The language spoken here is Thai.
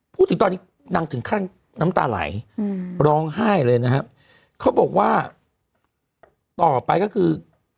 พูดถึงตอนนี้นางถึงขั้นน้ำตาไหลร้องไห้เลยนะครับเขาบอกว่าต่อไปก็คือ